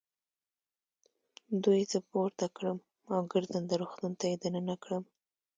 دوی زه پورته کړم او ګرځنده روغتون ته يې دننه کړم.